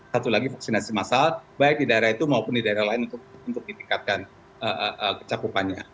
satu lagi vaksinasi massal baik di daerah itu maupun di daerah lain untuk ditingkatkan kecakupannya